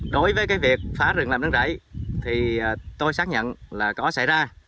đối với cái việc phá rừng làm đất rảy thì tôi xác nhận là có xảy ra